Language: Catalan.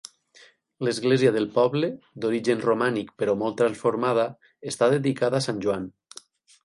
L'església del poble, d'origen romànic però molt transformada, està dedicada a sant Joan.